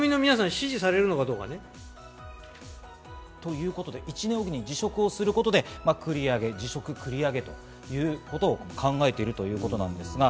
ということで、１年おきに辞職することで繰り上げ辞職、繰り上げということを考えているということです。